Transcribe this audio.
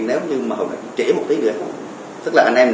nếu như mà hồi nãy chỉ một tí nữa